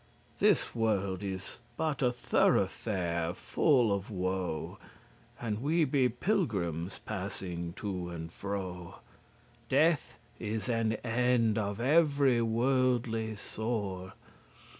This world is but a throughfare full of woe, And we be pilgrims, passing to and fro: Death is an end of every worldly sore."